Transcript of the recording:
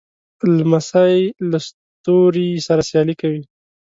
لمسی له ستوري سره سیالي کوي.